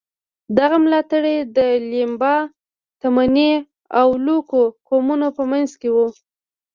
دغه ملاتړي د لیمبا، تمني او لوکو قومونو په منځ کې وو.